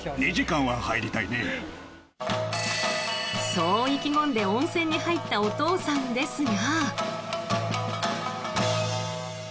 そう意気込んで温泉に入ったお父さんですが。